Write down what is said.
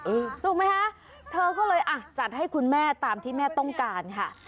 ถูกไหมคะเธอก็เลยอ่ะจัดให้คุณแม่ตามที่แม่ต้องการค่ะ